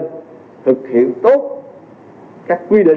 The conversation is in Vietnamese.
thực hiện tốt các quy định về phòng chống dịch